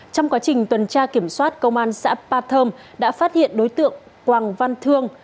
trong quá trình tuần tra kiểm soát công an xã pathom đã phát hiện đối tượng quang văn thương